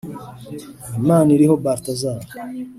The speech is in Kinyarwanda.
Imaniriho Balthazar